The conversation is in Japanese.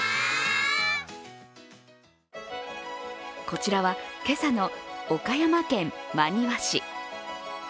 こちらは今朝の岡山県真庭市。